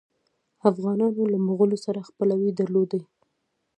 افغانانو له مغولو سره خپلوي درلودله.